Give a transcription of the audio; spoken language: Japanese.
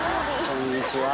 こんにちは。